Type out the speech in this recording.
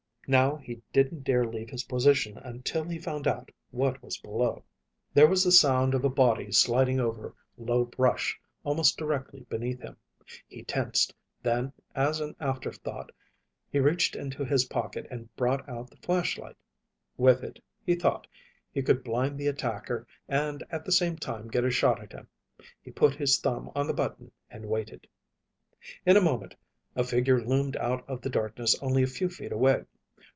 Now he didn't dare leave his position until he found out what was below. There was the sound of a body sliding over low brush almost directly beneath him. He tensed, then as an afterthought, he reached into his pocket and brought out the flashlight. With it, he thought, he could blind the attacker and at the same time get a shot at him. He put his thumb on the button and waited. In a moment a figure loomed out of the darkness only a few feet away.